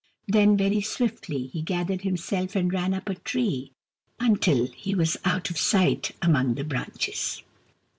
Then, very swiftly, he gathered himself up and ran up a tree, until he was out of sight among the branches.